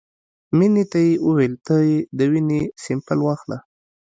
مينې ته يې وويل ته يې د وينې سېمپل واخله.